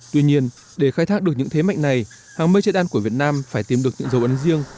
tuy nhiên để khai thác được những thế mạnh này hàng mây che đan của việt nam phải tìm được những dấu ấn riêng